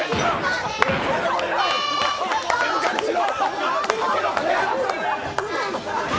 静かにしろ！